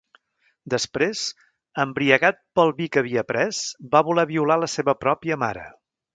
Després, embriagat pel vi que havia pres, va voler violar la seva pròpia mare.